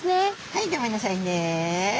はいギョめんなさいね。